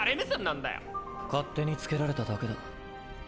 勝手につけられただけだ。